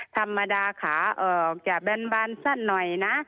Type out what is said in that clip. ธรรมดาขาออกจะแบนบานสั้นหน่อยนะ